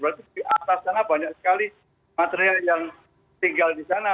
berarti di atas sana banyak sekali material yang tinggal di sana